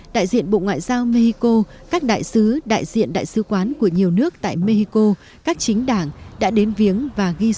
đại diện bộ ngoại giao mexico các đại sứ đại diện đại sứ quán của nhiều nước tại mexico các chính đảng đã đến viếng và ghi sổ